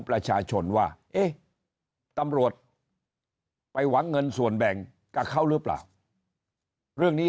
ประชาชนว่าเอ๊ะตำรวจไปหวังเงินส่วนแบ่งกับเขาหรือเปล่าเรื่องนี้